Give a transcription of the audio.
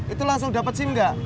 itu langsung dapet sim nggak